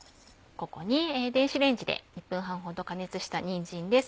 電子レンジで１分半ほど加熱したにんじんです。